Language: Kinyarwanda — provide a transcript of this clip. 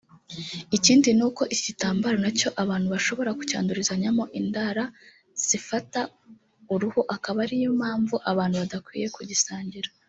Ikindi ni uko iki gitambaro nacyo abantu bashobora kucyandurizanyamo indara zifata uruhu akaba ariyo mpamvu abantu badakwiye kugisangira